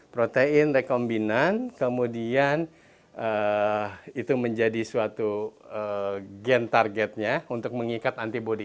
protein rekombinan kemudian itu menjadi suatu gen targetnya untuk mengikat antibody